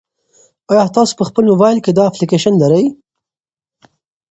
ایا تاسي په خپل موبایل کې دا اپلیکیشن لرئ؟